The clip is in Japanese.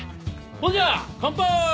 ほんじゃあ乾杯！